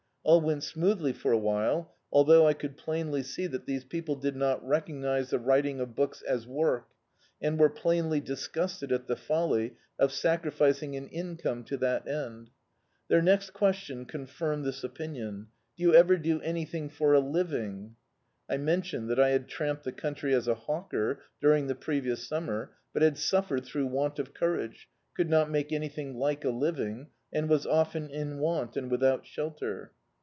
All went smoothly for a while — althou^ I could plainly see that these people did not recc^nise the writing of books as work, and were plainly disgusted at the folly of sacrificing an income to that end. Their next question confiraied this opinion — "Do you ever do anything for a living^" I mentioned diat I had tramped the country as a hawker, during the pre vious summer* but had suffered through want of courage, could not make anything like a living and was often in want and without shelter.